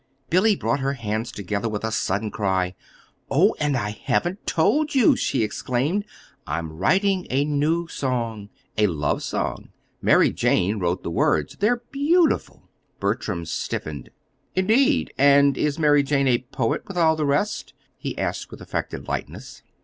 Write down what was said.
Billy brought her hands together with a sudden cry. "Oh, and I haven't told you!" she exclaimed. "I'm writing a new song a love song. Mary Jane wrote the words. They're beautiful." Bertram stiffened. "Indeed! And is Mary Jane a poet, with all the rest?" he asked, with affected lightness.